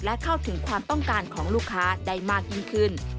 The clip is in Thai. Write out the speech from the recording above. และเข้าถึงความต้องการของลูกค้าได้มากยิ่งขึ้น